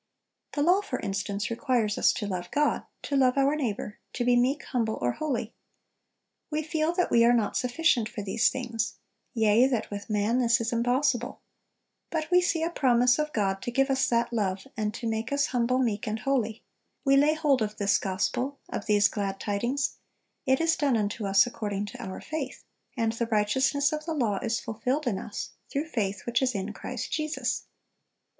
The law, for instance, requires us to love God, to love our neighbor, to be meek, humble, or holy. We feel that we are not sufficient for these things; yea, that 'with man this is impossible:' but we see a promise of God to give us that love, and to make us humble, meek, and holy: we lay hold of this gospel, of these glad tidings; it is done unto us according to our faith; and 'the righteousness of the law is fulfilled in us,' through faith which is in Christ Jesus....